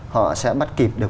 họ sẽ bắt kịp được